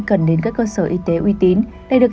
cần đến các cơ sở y tế uy tín để được